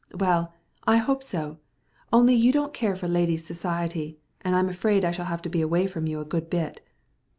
"Well, I hope so; only you don't care for ladies' society, and I'm afraid I shall have to be away from you a good bit."